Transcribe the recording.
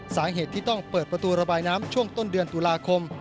สาเหตุที่ต้องเปิดประตูระบายน้ำช่วงต้นเดือนตุลาคม